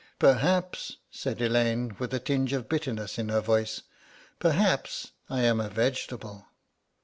"Perhaps," said Elaine, with a tinge of bitterness in her voice, "perhaps I am a vegetable."